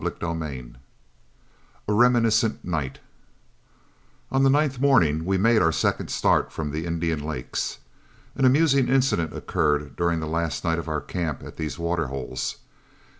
CHAPTER VI A REMINISCENT NIGHT On the ninth morning we made our second start from the Indian Lakes. An amusing incident occurred during the last night of our camp at these water holes.